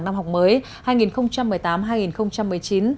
năm học mới hai nghìn một mươi tám hai nghìn một mươi chín